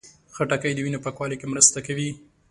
خټکی د وینې پاکوالي کې مرسته کوي.